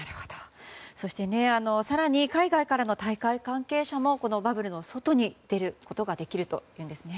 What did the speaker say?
そして、更に海外からの大会関係者もこのバブルの外に出ることができるというんですね。